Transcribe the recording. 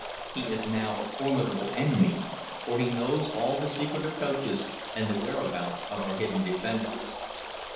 He is now a formidable enemy, for he knows all the secret approaches and the whereabouts of our hidden defences."